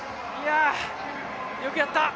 よくやった！